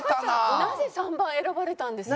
なぜ３番を選ばれたんですか？